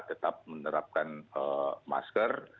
tetap menerapkan masker